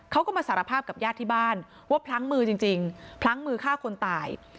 เขาก็มาสารภาพกับญาติที่บ้านว่าพลั้งมือจริงพลั้งมือฆ่าคนตาย